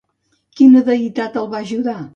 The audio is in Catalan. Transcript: Quina deïtat el va ajudar?